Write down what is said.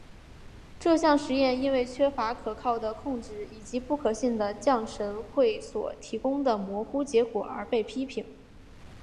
这项实验因为缺乏可靠的控制以及不可信的降神会所提供的模糊结果而被批评。